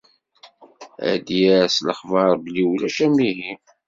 Ad d-yerr s lexber belli ulac amihi.